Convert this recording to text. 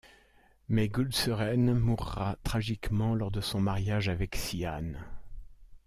Mais Gülseren mourra tragiquement lors de son mariage avec Cihan.